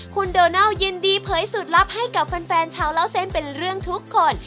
คุณโดนัลยินดีเผยสูตรลับให้กับแฟนชาวเล่าเส้นเป็นเรื่องทุกคน